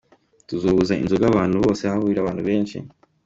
"Tuzobuza inzoga ahantu hose hahurira abantu benshi.